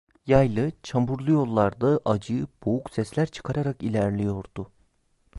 Yaylı, çamurlu yollarda acı, boğuk sesler çıkararak ilerliyordu…